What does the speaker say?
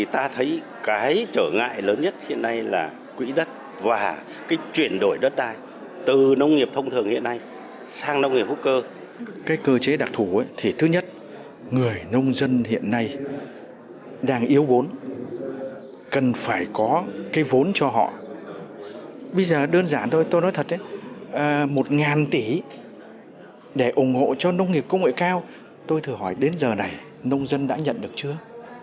tôi nói thật một tỷ để ủng hộ cho nông nghiệp công nghệ cao tôi thử hỏi đến giờ này nông dân đã nhận được chưa